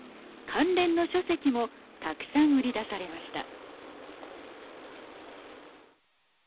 関連の書籍もたくさん売り出されました。